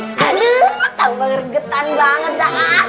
aduh ketang banget getang banget dah